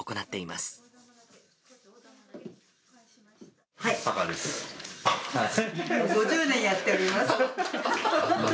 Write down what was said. もう５０年やっております。